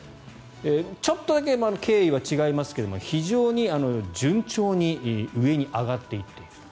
ちょっとだけ経緯は違いますが非常に順調に上に上がっていっている。